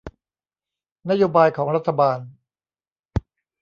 นโยบายของรัฐบาล